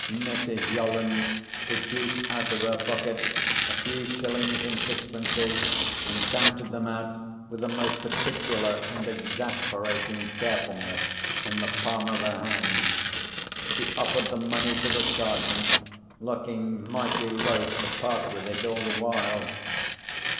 Mrs. Yolland produced out of her pocket, a few shillings and sixpences, and counted them out with a most particular and exasperating carefulness in the palm of her hand. She offered the money to the Sergeant, looking mighty loth to part with it all the while.